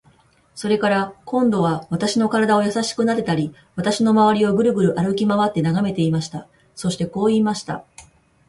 それから、今度は私の身体をやさしくなでたり、私のまわりをぐるぐる歩きまわって眺めていました。そしてこう言いました。